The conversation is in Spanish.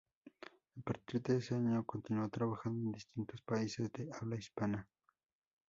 A partir de ese año continuó trabajando en distintos países de habla hispana.